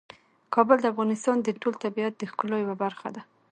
کابل د افغانستان د ټول طبیعت د ښکلا یوه برخه ده.